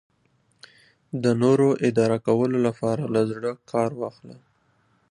د نورو اداره کولو لپاره له زړه کار واخله.